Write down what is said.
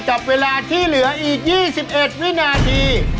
กับเวลาที่เหลืออีก๒๑วินาที